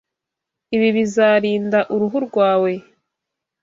Ibi bizarinda uruhu rwawe.